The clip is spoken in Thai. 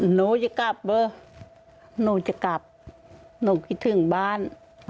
หนูจะกลับเบอร์หนูจะกลับหนูคิดถึงบ้าน